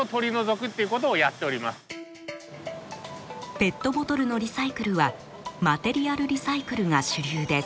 ペットボトルのリサイクルはマテリアルリサイクルが主流です。